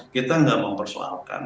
kita enggak mempersoalkan